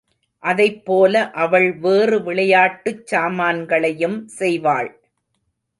அதைப் போல அவள் வேறு விளையாட்டுச் சாமான்களும் செய்வாள்.